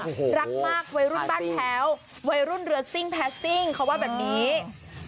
รักมากวัยรุ่นบ้านแพ้ววัยรุ่นเรือซิ่งแพสซิ่งเขาว่าแบบนี้